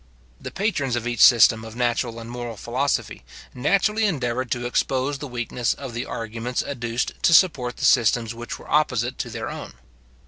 The patrons of each system of natural and moral philosophy, naturally endeavoured to expose the weakness of the arguments adduced to support the systems which were opposite to their own.